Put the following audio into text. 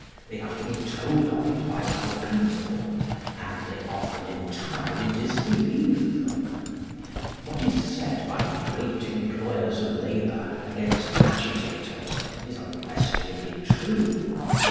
They have to be told of it by other people, and they often entirely disbelieve them. What is said by great employers of labour against agitators is unquestionably true.